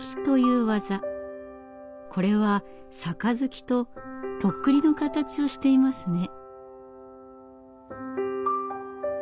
これは「盃」と「とっくり」の形をしていますね。